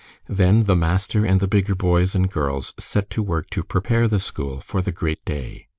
Then the master and the bigger boys and girls set to work to prepare the school for the great day.